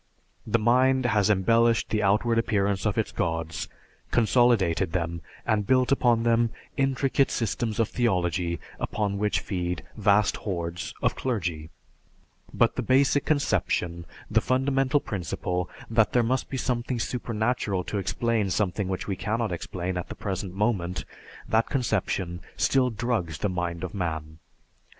The mind has embellished the outward appearance of its gods, consolidated them, and built upon them intricate systems of theology, upon which feed vast hordes of clergy; but the basic conception, the fundamental principle, that there must be something supernatural to explain something which we cannot explain at the present moment, that conception still drugs the mind of man.